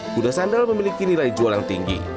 kuda sandal memiliki nilai jual yang tinggi